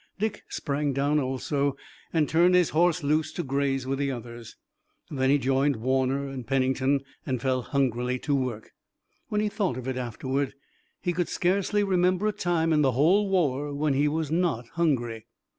Dick sprang down also and turned his horse loose to graze with the others. Then he joined Warner and Pennington and fell hungrily to work. When he thought of it afterward he could scarcely remember a time in the whole war when he was not hungry.